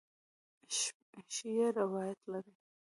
شیعه روایت لري.